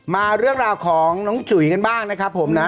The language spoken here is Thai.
มาเรื่องราวของน้องจุ๋ยกันบ้างนะครับผมนะ